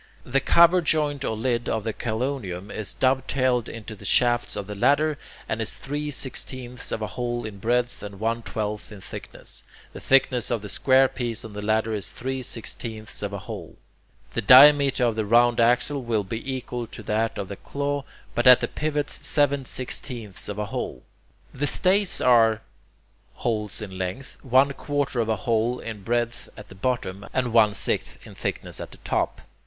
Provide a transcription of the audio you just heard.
The cover joint or lid of the chelonium is dove tailed into the shafts of the ladder, and is three sixteenths of a hole in breadth and one twelfth in thickness. The thickness of the square piece on the ladder is three sixteenths of a hole,... the diameter of the round axle will be equal to that of the claw, but at the pivots seven sixteenths of a hole. 9. The stays are... holes in length, one quarter of a hole in breadth at the bottom, and one sixth in thickness at the top.